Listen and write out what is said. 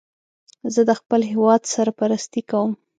زه د خپل هېواد سرپرستی کوم